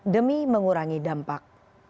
demi mengurangi dampak